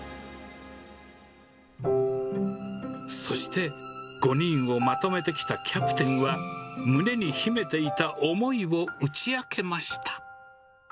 そして、５人をまとめてきたキャプテンは、胸に秘めていた思いを打ち明けました。